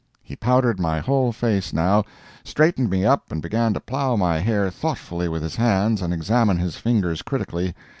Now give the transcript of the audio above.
He powdered my whole face now, straightened me up and began to plough my hair thoughtfully with his hands and examine his fingers critically.